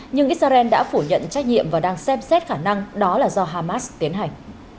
nhưng israel đã phủ nhận trách nhiệm và đang xem xét khả năng đó là do hamas tiến hành